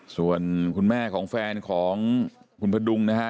ส่วนคุณแม่ของแฟนของคุณพดุงนะฮะ